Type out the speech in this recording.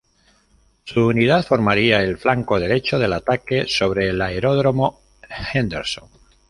Su unidad formaría el flanco derecho del ataque sobre el Aeródromo Henderson.